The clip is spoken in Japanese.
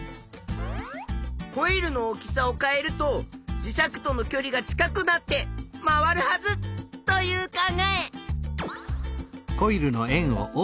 コイルの大きさを変えると磁石とのきょりが近くなって回るはずという考え。